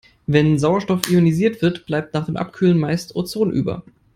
Wenn Sauerstoff ionisiert wird, bleibt nach dem Abkühlen meist Ozon über.